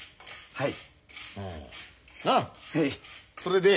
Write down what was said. はい。